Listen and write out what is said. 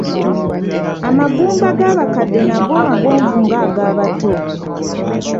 Amagumba g'abakadde nago magonvu nga agabato.